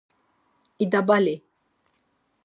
İdabali!